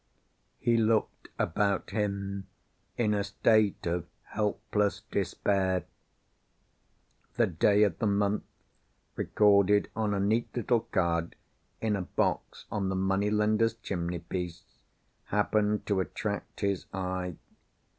He looked about him in a state of helpless despair. The day of the month, recorded on a neat little card in a box on the money lender's chimney piece, happened to attract his eye.